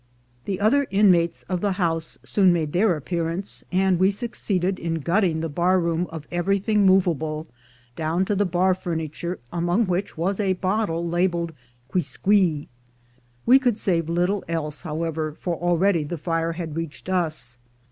The other in mates of the house soon made their appearance, and we succeeded in gutting the bar room of everything movable, down to the bar furniture, among which was a bottle labelled "Quisqui." We could save little else, however, for already the fire had reached us.